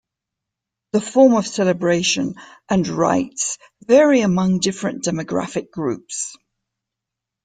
The form of celebration and rites vary among different demographic groups.